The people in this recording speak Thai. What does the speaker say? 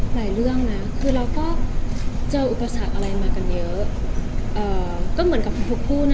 หลายเรื่องนะคือเราก็เจออุปสรรคอะไรมากันเยอะก็เหมือนกับทุกคู่นะ